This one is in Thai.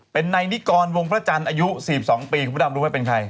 เป็นนายนิกรวงพระจันทร์อายุ๔๒ปีคุณพระดำรู้ไหมเป็นใคร